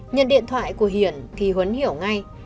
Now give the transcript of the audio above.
nhận điện thoại của hiển thì huấn hiểu ngay